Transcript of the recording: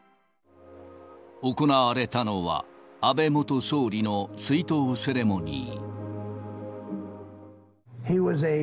行われたのは、安倍元総理の追悼セレモニー。